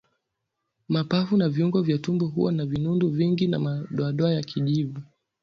Mapafu na viungo vya tumboni huwa na vinundu vingi na madoadoa ya kijivu